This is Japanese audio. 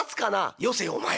「よせお前。